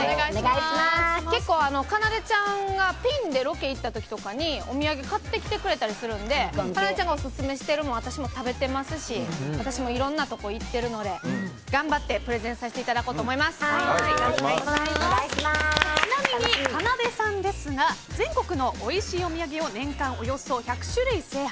結構かなでちゃんがピンでロケ行った時とかにお土産買ってきてくれたりするのでかなでちゃんがオススメしてるものは私も食べてますし私もいろんなところに行ってるので頑張ってプレゼンさせてちなみに、かなでさんですが全国のおいしいお土産を年間およそ１００種類制覇。